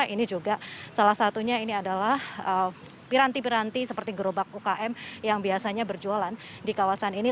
ini juga salah satunya ini adalah piranti piranti seperti gerobak ukm yang biasanya berjualan di kawasan ini